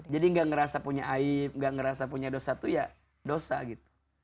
jadi nggak ngerasa punya aib nggak ngerasa punya dosa tuh ya dosa gitu